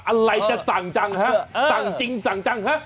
อะไรจะสั่งจังฮะสั่งจริงสั่งจังฮะ